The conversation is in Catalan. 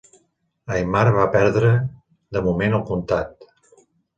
Aimar va perdre de moment el comtat.